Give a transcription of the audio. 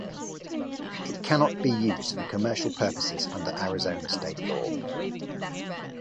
It cannot be used for commercial purposes under Arizona state law.